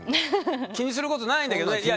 気にすることないんだけどいや